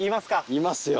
いますよ。